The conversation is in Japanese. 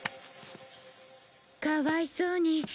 かわいそうに。